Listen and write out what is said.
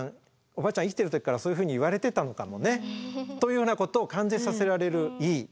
おばあちゃん生きてる時からそういうふうに言われてたのかもね。というようなことを感じさせられるいい語りかけでした。